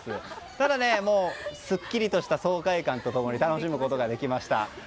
ただ、すっきりとした爽快感と共に楽しむことができました。